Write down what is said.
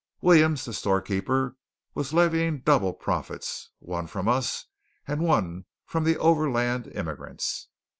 Williams, the storekeeper, was levying double profits, one from us, and one from the overland immigrants.